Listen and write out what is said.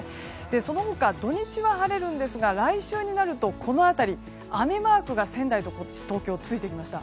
その他、土日は晴れるんですが来週になると、この辺り雨マークが仙台や東京についてきました。